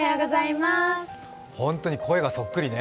本当に声がそっくりね。